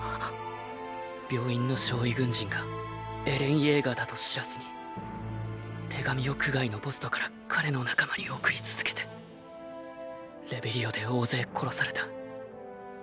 病院の傷痍軍人がエレン・イェーガーだと知らずに手紙を区外のポストから彼の仲間に送り続けてレベリオで大勢殺された。